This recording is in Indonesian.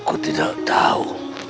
kau tidak tahu